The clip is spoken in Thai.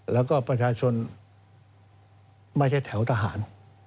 แล้วก็ประชาชนไม่ใช่แถวทหาร